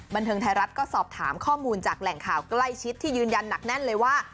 บันเทิงไทยรัฐก็สอบถามข้อมูลจากแหล่งข่าวใกล้ชิดที่ยืนยันหนักแน่นเลยว่า